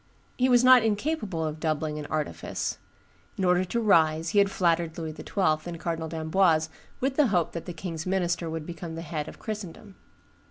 He was not incapable of doubling and artifice. In order to rise he had flattered Louis XII. and Cardinal d'Amboise with the hope that the king's minister would become the head of Christendom.